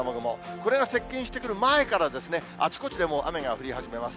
これが接近してくる前からですね、あちこちでもう雨が降り始めます。